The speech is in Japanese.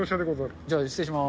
じゃあ、失礼します。